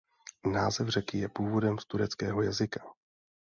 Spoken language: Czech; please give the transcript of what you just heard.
Název řeky je původem z tureckého jazyka.